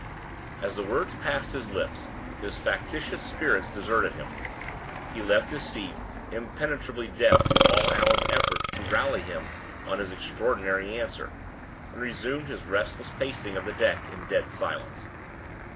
As the words passed his lips, his factitious spirits deserted him. He left his seat, impenetrably deaf to all Allan's efforts at rallying him on his extraordinary answer, and resumed his restless pacing of the deck in dead silence.